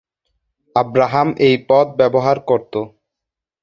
Abraham এই পথ ব্যবহার করত।